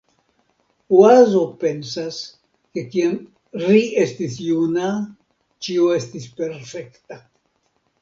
Oazo pensas, ke kiam ri estis juna, ĉio estis perfekta.